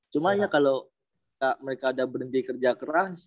cuma ya kalau mereka ada berhenti kerja keras